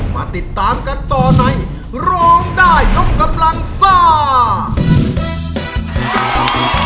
มาติดตามกันต่อในร้องได้ยกกำลังซ่า